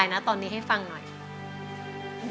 สีหน้าร้องได้หรือว่าร้องผิดครับ